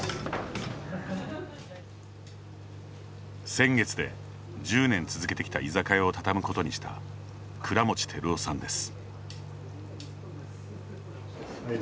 先月で、１０年続けてきた居酒屋を畳むことにした倉持照男さんです。